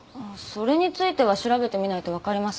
それについては調べてみないと分かりません。